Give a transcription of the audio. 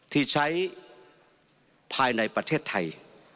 ที่ใช้ภายในประเทศไทย